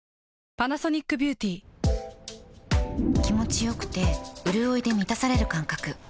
気持ちよくてうるおいで満たされる感覚